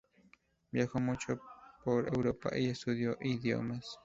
Viajó mucho por Europa y estudió idiomas.